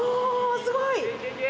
すごい！